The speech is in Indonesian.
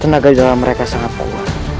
tenaga di dalam mereka sangat kuat